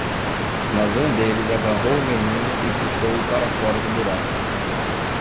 Mas um deles agarrou o menino e puxou-o para fora do buraco.